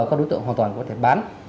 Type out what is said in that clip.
các đối tượng hoàn toàn có thể bán